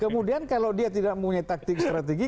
kemudian kalau dia tidak punya taktik strategi